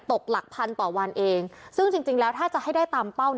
หลักพันต่อวันเองซึ่งจริงแล้วถ้าจะให้ได้ตามเป้า